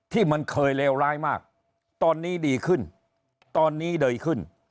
ที่มันเคยเลวร้ายมากตอนนี้ดีขึ้นตอนนี้เดยขึ้น